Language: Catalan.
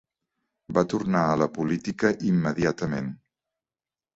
Va tornar a la política immediatament.